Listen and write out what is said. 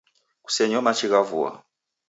Kusenyo machi gha vua